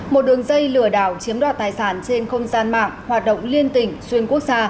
một đường dây lừa đảo chiếm đoạt tài sản trên không gian mạng hoạt động liên tỉnh xuyên quốc gia